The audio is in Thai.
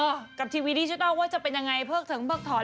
กับทีวีดิจิทัลว่าจะเป็นยังไงเพิกถึงเพิกถอน